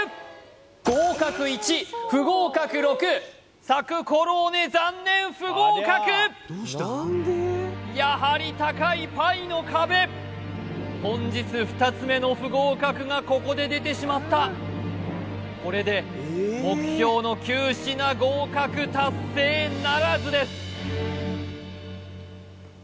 合格１不合格６サクコローネ残念不合格やはり高いパイの壁本日２つ目の不合格がここで出てしまったこれで目標の９品合格達成ならずです